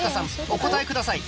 お答えください